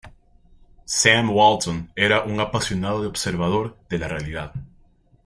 Sam Walton era un apasionado observador de la realidad.